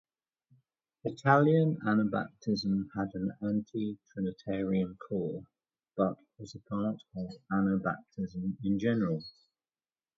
Italian Anabaptism had an anti-trinitarian core but was a part of Anabaptism in general.